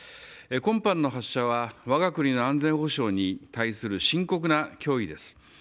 今般の発射は我が国の安全保障に対する深刻な脅威です。